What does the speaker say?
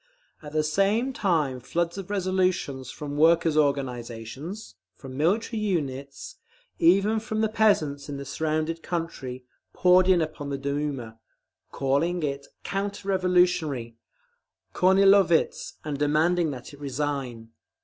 At the same time floods of resolutions from workers' organisations, from military units, even from the peasants in the surrounding country, poured in upon the Duma, calling it "counter revolutionary, Kornilovitz," and demanding that it resign.